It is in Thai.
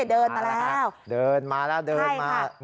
เดินมาแล้วเดินมาแล้วเดินมา